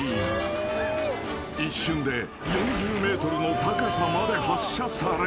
［一瞬で４０ｍの高さまで発射される］